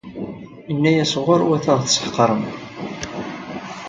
Yenna-yas ɣur-wat ad ɣ-tessḥeqrem.